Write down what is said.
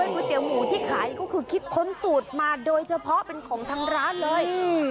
๋วเตี๋ยหมูที่ขายก็คือคิดค้นสูตรมาโดยเฉพาะเป็นของทางร้านเลย